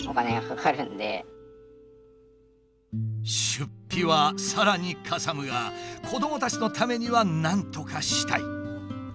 出費はさらにかさむが子どもたちのためにはなんとかしたい。